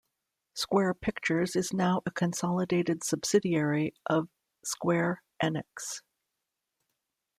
Square Pictures is now a consolidated subsidiary of "Square Enix".